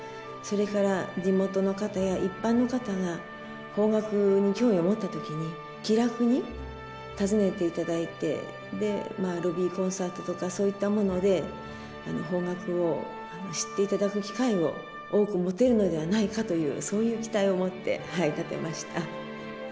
それから地元の方や一般の方が邦楽に興味を持った時に気楽に訪ねていただいてまあロビーコンサートとかそういったもので邦楽を知っていただく機会を多く持てるのではないかというそういう期待を持って建てました。